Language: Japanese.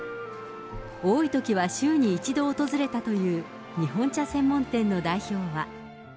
多いときは週に１度訪れたという、日本茶専門店の代表は。